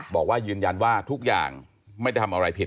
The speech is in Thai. บอกว่ายืนยันว่าทุกอย่างไม่ได้ทำอะไรผิด